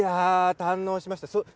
堪能しました。